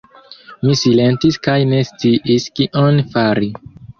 Mi silentis kaj ne sciis kion fari.